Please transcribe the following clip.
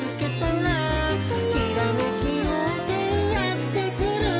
「ひらめきようせいやってくる」